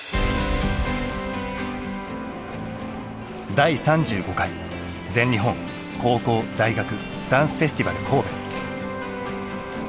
第３５回全日本高校・大学ダンスフェスティバル。